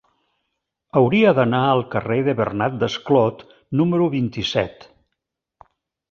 Hauria d'anar al carrer de Bernat Desclot número vint-i-set.